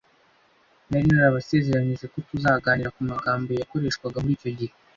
nari nabasezeranyije ko tuzaganira ku magambo yakoreshwaga muricyo gihe